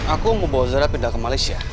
aku mau bawa zara pindah ke malaysia